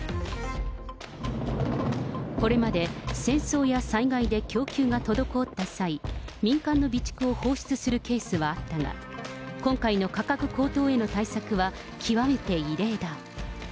これまで戦争や災害で供給が滞った際、民間の備蓄を放出するケースはあったが、今回の価格高騰への対策は極めて異例だ。